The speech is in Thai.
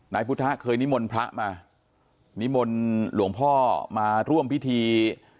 นายพุทธะเคยนิมนต์พระมานิมนต์หลวงพ่อมาร่วมพิธี